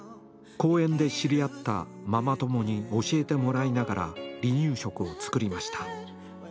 公園で知り合ったママ友に教えてもらいながら離乳食を作りました。